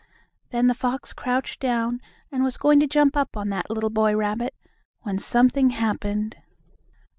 Then the fox crouched down and was just going to jump on that little boy rabbit, when something happened.